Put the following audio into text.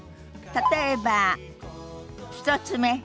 例えば１つ目。